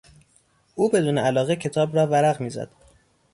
او بدون علاقه کتاب را ورق میزد.